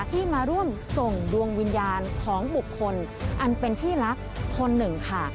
ที่มาร่วมส่งดวงวิญญาณของบุคคลอันเป็นที่รักคนหนึ่งค่ะ